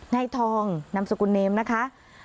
นายทองนามสกุลเนมนะคะ